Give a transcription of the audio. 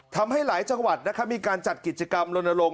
ทำให้หลายจังหวัดมีการจัดกิจกรรมลนลง